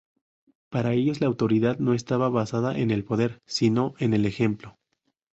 Para ellos la autoridad no estaba basada en el poder, sino en el ejemplo.